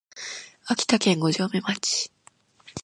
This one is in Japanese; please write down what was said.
秋田県五城目町